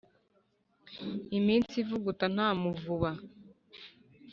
Iminsi ivuguta nta muvuba.